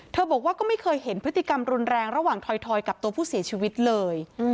บอกว่าก็ไม่เคยเห็นพฤติกรรมรุนแรงระหว่างถอยกับตัวผู้เสียชีวิตเลย